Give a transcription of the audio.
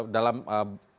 dalam bahasa indonesia